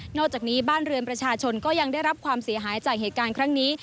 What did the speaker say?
จากนี้บ้านเรือนประชาชนก็ยังได้รับความเสียหายจากเหตุการณ์ครั้งนี้